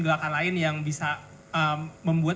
gerakan lain yang bisa membuat